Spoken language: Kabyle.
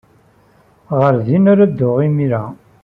Ɣer din ara dduɣ imir-a.